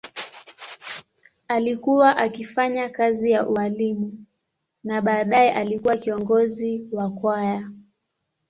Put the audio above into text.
Alikuwa akifanya kazi ya ualimu na baadaye alikuwa kiongozi wa kwaya.